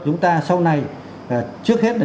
chúng ta sau này trước hết là